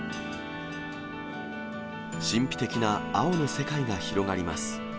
神秘的な青の世界が広がります。